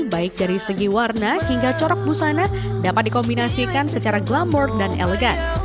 baik dari segi warna hingga corak busana dapat dikombinasikan secara glamor dan elegan